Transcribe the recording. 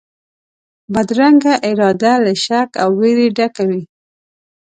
بدرنګه اراده له شک او وېري ډکه وي